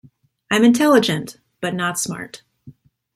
I'm intelligent, but not smart.